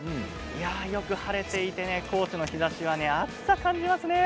よく晴れていて高知の日ざしが暑さを感じますね。